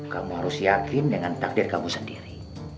kamu harus yakin dengan takdir kamu sendiri